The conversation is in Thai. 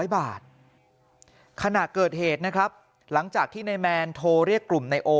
๑๐๐บาทขณะเกิดเหตุนะครับหลังจากที่ในแมนโทรเรียกกลุ่มไนโอ